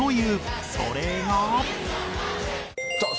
それが。